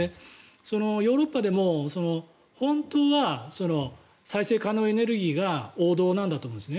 ヨーロッパでも本当は再生可能エネルギーが王道なんだと思うんです。